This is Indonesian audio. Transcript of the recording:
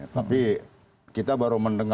tapi kita baru mendengar